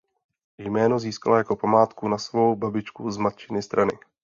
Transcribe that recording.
Jméno získala jako památku na svou babičku z matčiny strany.